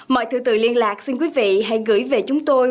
mọi thư từ liên lạc xin quý vị hãy gửi về chúng tôi